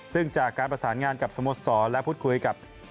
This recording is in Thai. ซึ่งจากการประสานงานกับสโมสรและพูดคุยกับ